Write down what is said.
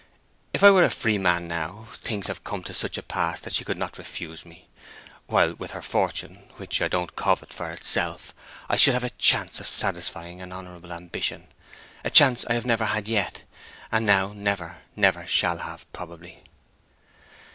If I were a free man now, things have come to such a pass that she could not refuse me; while with her fortune (which I don't covet for itself) I should have a chance of satisfying an honorable ambition—a chance I have never had yet, and now never, never shall have, probably!"